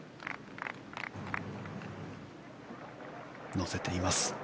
乗せています。